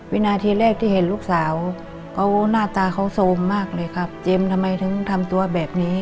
วินาทีแรกที่เห็นลูกสาวเขาหน้าตาเขาโซมมากเลยครับเจมส์ทำไมถึงทำตัวแบบนี้